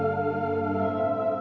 rasulullah ya allah